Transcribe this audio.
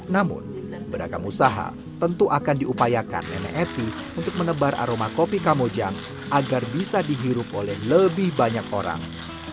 namun beragam usaha tentu akan diupayakan nenek eti untuk menebar aroma kopi kamojang agar bisa dihirup oleh lebih banyak orang